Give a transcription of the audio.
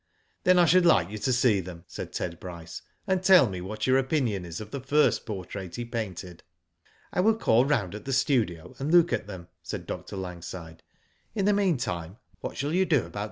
^* Then I should like you to see them," said Ted Bryce ;'* and tell me what your opinion is of the first portrait he painted." '^ I will call round at the studio and look at them," said Dr. Langside. "In the meantime what shall you do about the books?"